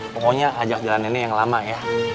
pokoknya ajak jalan ini yang lama ya